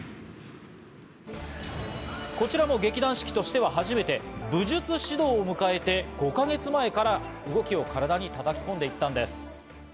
こちらも劇団四季としては初めて武術指導を迎えて、５か月前から動きを体にたたき込んでいったんです。